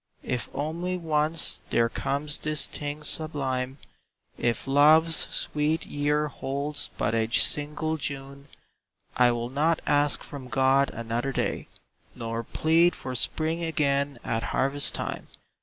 If only once there comes this thing sublime. If Love's sweet year holds but a single June — I will not ask from God another day, Nor plead for Spring again at harvest time.